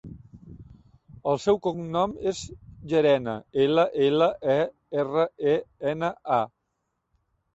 El seu cognom és Llerena: ela, ela, e, erra, e, ena, a.